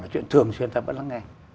là chuyện thường xuyên ta vẫn lắng nghe